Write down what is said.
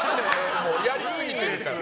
やりすぎてるから。